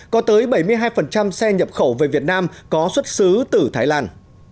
có tới bảy mươi hai xe nhập khẩu về việt nam có xuất xứ từ thái lan